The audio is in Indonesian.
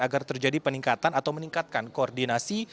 agar terjadi peningkatan atau meningkatkan koordinasi